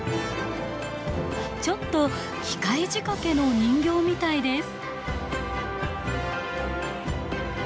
ちょっと機械仕掛けの人形みたいです。